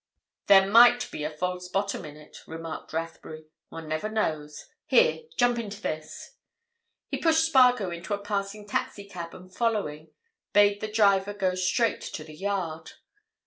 "There might be a false bottom in it," remarked Rathbury. "One never knows. Here, jump into this!" He pushed Spargo into a passing taxi cab, and following, bade the driver go straight to the Yard.